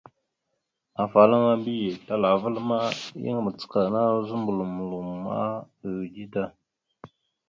Afalaŋa mbiyez talaval ma, yan macəkana zuməɓlom loma, ʉde da.